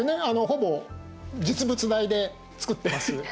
ほぼ実物大で作ってます。